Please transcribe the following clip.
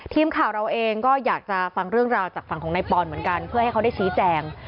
ทีมข่าวเราเองก็อยากจะฟังเรื่องราวจากฝั่งของนายปอนเหมือนกันเพื่อให้เขาได้ชี้แจง